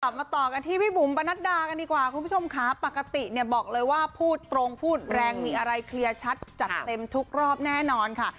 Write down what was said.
มาต่อกันที่พี่บุ๋มปะนัดดากันดีกว่าคุณผู้ชมค่ะปกติเนี่ยบอกเลยว่าพูดตรงพูดแรงมีอะไรเคลียร์ชัดจัดเต็มทุกรอบแน่นอนค่ะ